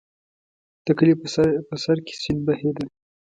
د کلي په سر کې سیند بهېده.